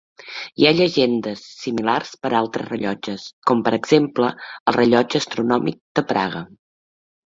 Hi ha llegendes similars per a altres rellotges, com per exemple, el rellotge astronòmic de Praga.